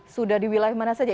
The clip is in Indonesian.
sudah di wilayah mana saja